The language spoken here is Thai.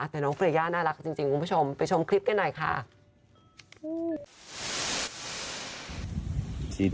แต่เนูร์เฟรย์ย่าน่ารักจริงคุณผู้ชมจะไปชมคลิปนี่หน่อยครับ